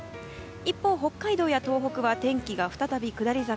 一方、北海道や東北や天気が再び下り坂。